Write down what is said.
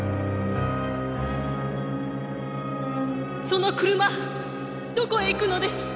その車どこへ行くのです！